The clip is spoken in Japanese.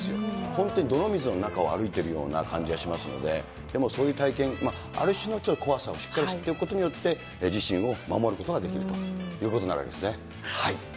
本当に泥水の中を歩いているような感じがしますので、でもそういう体験、ある種の怖さをしっかり知っておくことによって、自身を守ることができるということになるわけですね。